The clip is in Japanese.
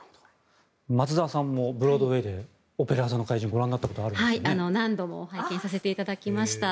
松澤さんもブロードウェーで「オペラ座の怪人」をご覧になったことがあるんですね。何度も拝見させていただきました。